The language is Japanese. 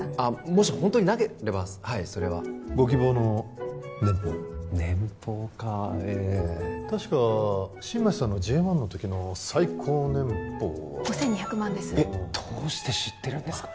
もしホントになければはいそれはご希望の年俸年俸か確か新町さんのＪ１の時の最高年俸は５２００万ですえどうして知ってるんですか？